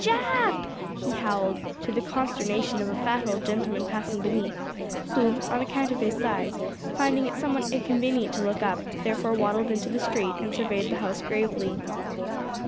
"Jap!" he howled, to the consternation of a fat old gentleman passing beneath, who on account of his size, finding it somewhat inconvenient to look up, therefore waddled into the street, and surveyed the house gravely.